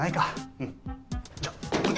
うん。